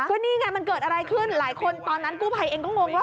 ก็นี่ไงมันเกิดอะไรขึ้นหลายคนตอนนั้นกู้ภัยเองก็งงว่า